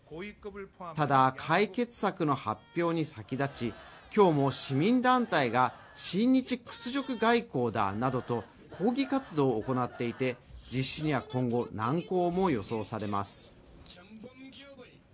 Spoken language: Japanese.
ただ、解決策の発表に先立ち、今日も市民団体が親日屈辱外交だなどと抗議活動を行っていて、実施には今後難航も予想されます。